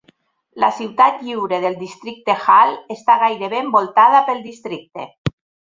La ciutat lliure del districte Halle està gairebé envoltada pel districte.